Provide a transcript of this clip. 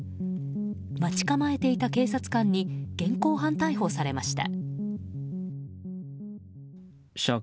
待ち構えていた警察官に現行犯逮捕されました。